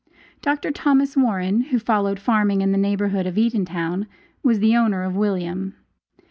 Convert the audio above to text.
Dr. Thomas Warren, who followed farming in the neighborhood of Eatontown, was the owner of William.